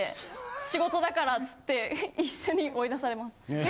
仕事だからつって一緒に追い出されます。え？